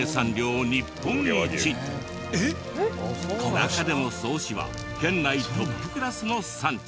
中でも曽於市は県内トップクラスの産地。